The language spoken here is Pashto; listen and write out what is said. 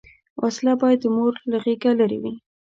وسله باید د مور له غېږه لرې وي